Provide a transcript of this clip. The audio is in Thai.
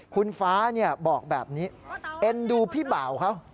คุณฟ้าบอกแบบนี้เอ็นดูพี่บ่าวเขา